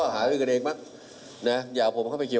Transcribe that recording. ทุกพรรดิ์